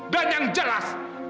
dan yang jelasnya